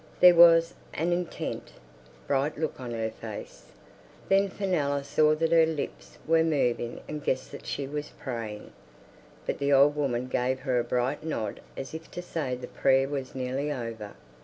There was an intent, bright look on her face. Then Fenella saw that her lips were moving and guessed that she was praying. But the old woman gave her a bright nod as if to say the prayer was nearly over.